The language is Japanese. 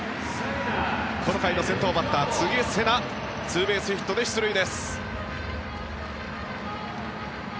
この回の先頭バッター、柘植世那ツーベースヒットで出塁です。